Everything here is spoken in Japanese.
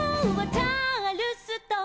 「チャールストン」